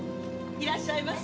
いらっしゃいませ。